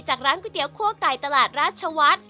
ร้านก๋วยเตี๋ยคั่วไก่ตลาดราชวัฒน์